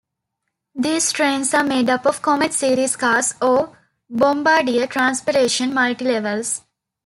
These trains are made up of Comet series cars or Bombardier Transportation Multilevels.